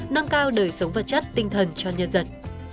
nâng cao đời sống vật chất tinh thần cho nhân dân